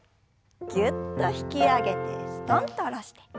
ぎゅっと引き上げてすとんと下ろして。